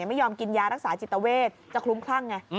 ไม่ยอมกินยารักษาจิตเวทจะคลุ้มคลั่งไง